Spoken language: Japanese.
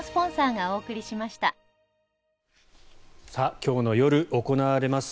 今日の夜、行われます